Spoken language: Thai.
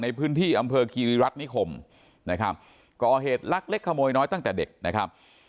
ในพื้นที่อำเภอคีริรัฐนิคมนะครับก่อเหตุลักเล็กขโมยน้อยตั้งแต่เด็กนะครับ